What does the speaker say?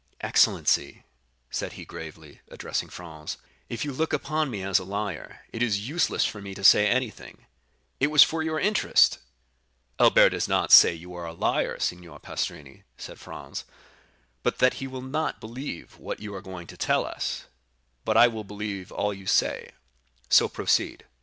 "Excellency," said he gravely, addressing Franz, "if you look upon me as a liar, it is useless for me to say anything; it was for your interest I——" "Albert does not say you are a liar, Signor Pastrini," said Franz, "but that he will not believe what you are going to tell us,—but I will believe all you say; so proceed."